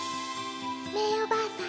メイおばあさん